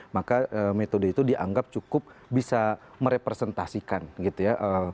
maka metode itu dianggap cukup bisa merepresentasikan gitu ya